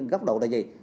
góc độ là gì